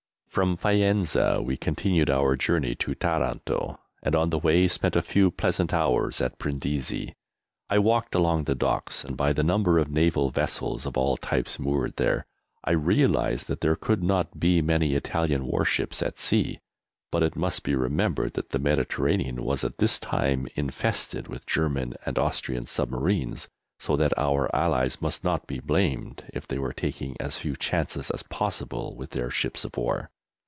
From Faenza we continued our journey to Taranto, and on the way spent a few pleasant hours at Brindisi. I walked along the docks, and, by the number of naval vessels of all types moored there, I realized that there could not be many Italian warships at sea; but it must be remembered that the Mediterranean was at this time infested with German and Austrian submarines, so that our allies must not be blamed if they were taking as few chances as possible with their ships of war.